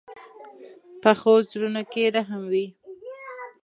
پخو زړونو کې رحم وي